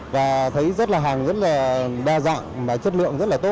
và thấy rất là hàng rất là đa dạng mà chất lượng rất là tốt